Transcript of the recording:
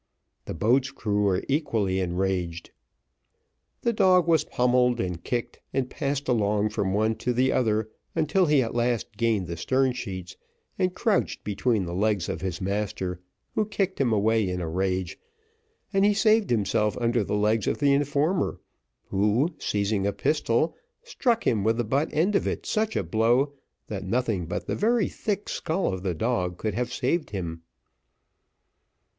The boats' crew were equally enraged, the dog was pommelled, and kicked, and passed along from one to the other, until he at last gained the stern sheets, and crouched between the legs of his master, who kicked him away in a rage, and he saved himself under the legs of the informer, who, seizing a pistol, struck him with the butt end of it such a blow, that nothing but the very thick skull of the dog could have saved him.